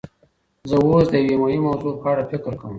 زه اوس د یوې مهمې موضوع په اړه فکر کوم.